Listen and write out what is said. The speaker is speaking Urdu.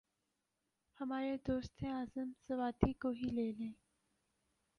ہمارے دوست اعظم سواتی کو ہی لے لیں۔